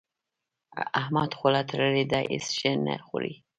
احمد خوله تړلې ده؛ هيڅ شی نه خوري.